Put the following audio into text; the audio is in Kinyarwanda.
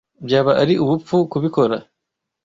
Byaba ari ubupfu kubikora.